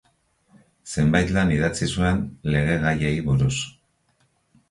Zenbait lan idatzi zuen lege-gaiei buruz.